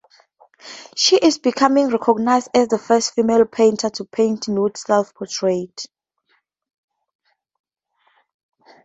She is becoming recognized as the first female painter to paint nude self-portraits.